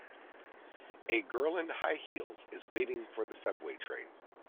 A girl in high heels is waiting for the subway train